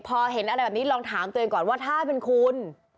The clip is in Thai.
พอเห็นอะไรแบบนี้ลองถามตัวเองก่อนว่าถ้าเป็นคุณ